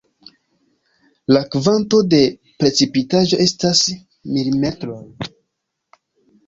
La kvanto de precipitaĵo estas milimetroj.